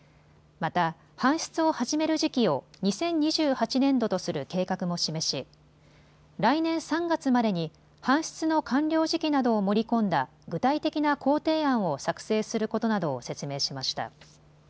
また、搬出を始める時期を２０２８年度とする計画も示し、来年３月までに搬出の完了時期などを盛り込んだ具体的な工程案を作成することなどを説明しました。